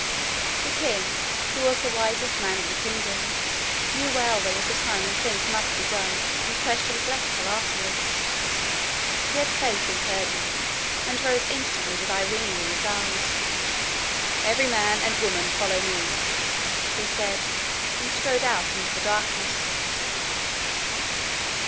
The king, who was the wisest man in the kingdom, knew well there was a time when things must be done and questions left till afterwards. He had faith in Curdie, and rose instantly, with Irene in his arms. 'Every man and woman follow me,' he said, and strode out into the darkness.